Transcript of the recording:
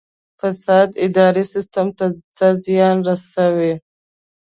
فساد اداري سیستم ته څه زیان رسوي؟